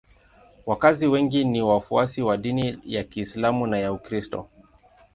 Wakazi wengi ni wafuasi wa dini ya Uislamu na ya Ukristo.